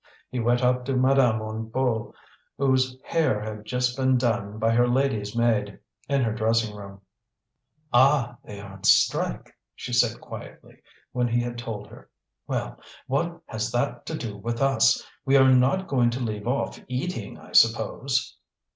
He went up to Madame Hennebeau, whose hair had just been done by her lady's maid, in her dressing room. "Ah! they are on strike," she said quietly, when he had told her. "Well, what has that to do with us? We are not going to leave off eating, I suppose?"